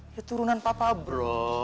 ya turunan papa bro